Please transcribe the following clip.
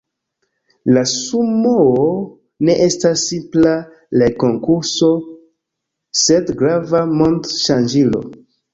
La Sumoo ne estas simpla legkonkurso, sed grava mond-ŝanĝilo.